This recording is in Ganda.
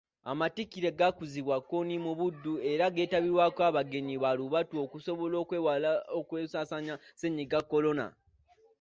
Amatikkira gakuziddwa Nkoni mu Buddu era geetabiddwako abagenyi baalubatu okusobola okwewala okusaasaanya Ssennyiga kolona.